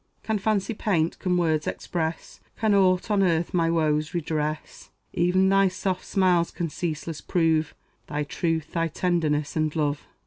Can fancy paint, can words express, Can aught on earth my woes redress? E'en thy soft smiles can ceaseless prove Thy truth, thy tenderness, and love.